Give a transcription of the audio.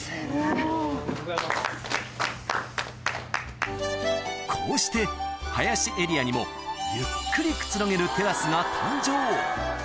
・お疲れさまです・こうして林エリアにもゆっくりくつろげるテラスが誕生